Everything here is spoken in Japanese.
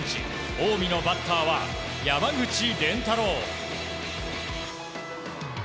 近江のバッターは山口蓮太朗。